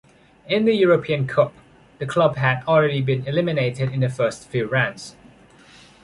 In the European Cup, the club had already been eliminated in the first few rounds.